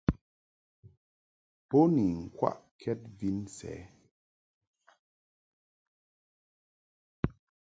Bo ni ŋkwaʼkɛd vin sɛ.